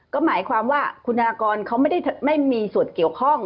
ก็หมายความว่าคุณธนากรเขาไม่ได้ไม่มีส่วนเกี่ยวข้อง